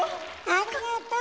ありがとう。